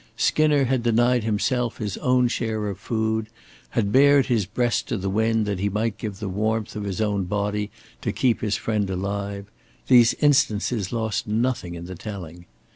Skinner had denied himself his own share of food, had bared his breast to the wind that he might give the warmth of his own body to keep his friend alive these instances lost nothing in the telling.